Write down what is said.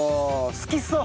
好きそう。